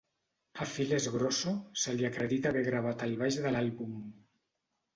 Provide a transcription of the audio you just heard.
A Phil Sgrosso se li acredita haver gravat el baix de l'àlbum.